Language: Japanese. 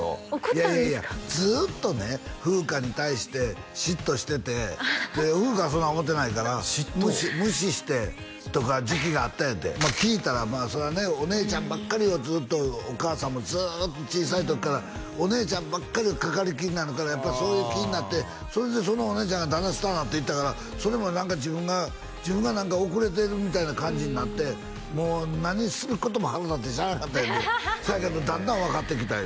いやいやいやずっとね風花に対して嫉妬しててで風花はそんなん思ってないから無視してとか時期があったんやて聞いたらまあそりゃあねお姉ちゃんばっかりをずっとお母さんもずっと小さい時からお姉ちゃんばっかりをかかりきりになるからやっぱそれが気になってそれでそのお姉ちゃんがだんだんスターになっていったからそれも何か自分が遅れてるみたいな感じになってもう何することも腹立ってしゃあなかったってそやけどだんだん分かってきた